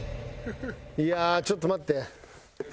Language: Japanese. いやあちょっと待って。